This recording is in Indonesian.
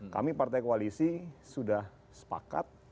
kami partai koalisi sudah sepakat